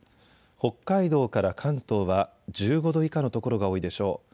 北海道から関東は１５度以下の所が多いでしょう。